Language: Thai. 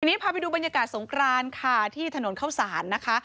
ทีนี้พาไปดูบรรยากาศสงครานค่ะที่ถนนเข้าสารนะคะ